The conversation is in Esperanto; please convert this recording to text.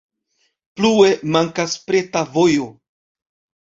Plue mankas preta vojo.